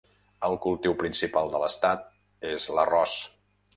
El cultiu principal de l'estat és l'arròs.